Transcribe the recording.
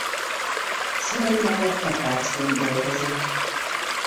Szülei mellett takácsként dolgozott.